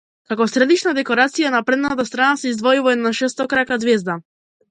Како средишна декорација на предната страна се издвојува една шестокрака ѕвезда.